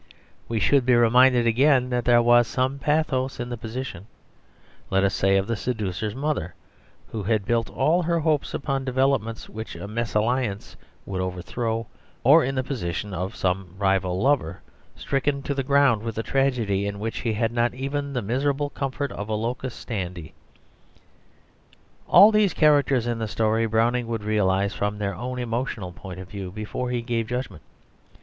We should be reminded again that there was some pathos in the position, let us say, of the seducer's mother, who had built all her hopes upon developments which a mésalliance would overthrow, or in the position of some rival lover, stricken to the ground with the tragedy in which he had not even the miserable comfort of a locus standi. All these characters in the story, Browning would realise from their own emotional point of view before he gave judgment.